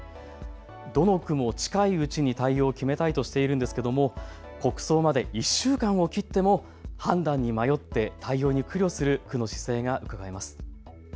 どの区も近いうちに対応を決めたいとしているんですけれども国葬まで１週間を切っても判断に迷って対応に苦慮する区の姿勢がうかがえます。